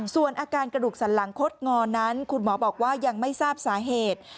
ส่วนอาการกระดูกสันหลังคดงอนั้นคุณหมอบอกว่ายังไม่ทราบสาเหตุ